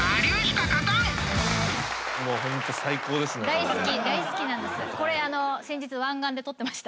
大好きなんです。